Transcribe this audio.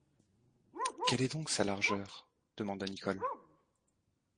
Quelle est donc sa largeur? demanda Nicholl.